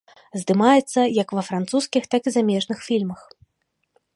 Здымаецца як ва французскіх, так і замежных фільмах.